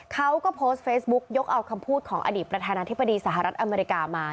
เขาก็โพสต์เฟซบุ๊กยกเอาคำพูดของอดีตประธานาธิบดีสหรัฐอเมริกามา